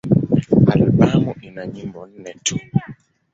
Albamu ina nyimbo nne tu.